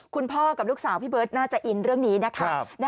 คุณพ่อกับลูกสาวพี่เบิร์ตน่าจะอินเรื่องนี้นะคะ